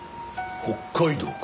北海道か。